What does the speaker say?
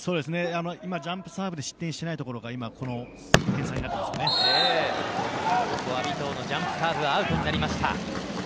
ジャンプサーブで失点していないところが尾藤のジャンプサーブアウトになりました。